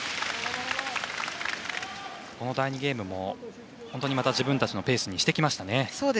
第２ゲームも本当に、自分たちのペースにしてきましたね。